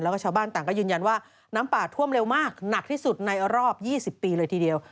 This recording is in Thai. แล้วก็ชาวบ้านต่างก็ยืนยันว่าน้ำป่าท่วมเร็วมากหนักที่สุดในรอบ๒๐ปีเลยทีเดียว